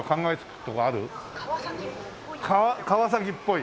川崎っぽい。